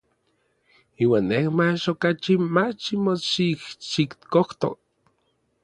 Iuan nej mach okachi ma nimoxijxikojto.